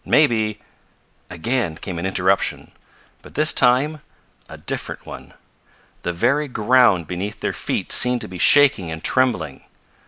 Maybe " Again came an interruption, but this time a different one. The very ground beneath their feet seemed to be shaking and trembling.